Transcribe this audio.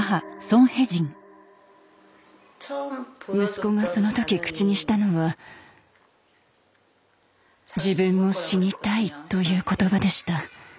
息子がその時口にしたのは「自分も死にたい」という言葉でした。